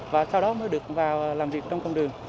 và sau đó mới được vào làm việc trong công đường